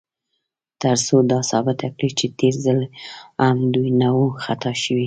تر څو دا ثابته کړي، چې تېر ځل هم دوی نه و خطا شوي.